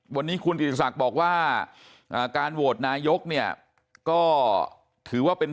วันนี้คุณกิติศักดิ์บอกว่าการโหวตนายกเนี่ยก็ถือว่าเป็น